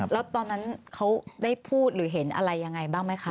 แล้วตอนนั้นเขาได้พูดหรือเห็นอะไรยังไงบ้างไหมคะ